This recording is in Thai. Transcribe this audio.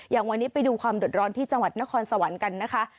อย่างวันนี้ไปดูความเดือดร้อนที่จังหวัดนครสวรรค์กันนะคะ